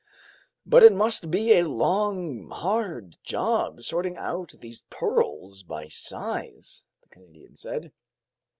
"But it must be a long, hard job, sorting out these pearls by size," the Canadian said.